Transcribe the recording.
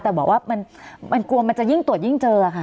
แต่บอกว่ามันกลัวมันจะยิ่งตรวจยิ่งเจอค่ะ